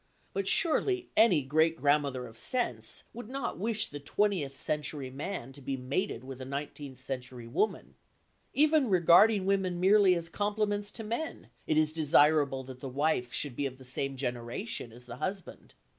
But surely any great grandmother of sense would not wish the twentieth century man to be mated with a nineteenth century woman. Even regarding women merely as complements to men, it is desirable that the wife should be of the same generation as the husband.